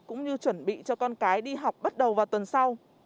cũng như chuẩn bị cho con cái đi học bắt đầu vào tuần sau